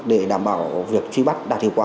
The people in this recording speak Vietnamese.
để đảm bảo việc truy bắt